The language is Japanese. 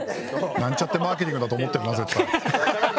なんちゃってマーケティングだと思ってるな絶対。